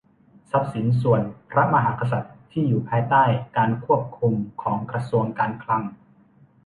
ทรัพย์สินส่วนพระมหากษัตริย์ ที่อยู่ภายใต้การควบคุมของกระทรวงการคลัง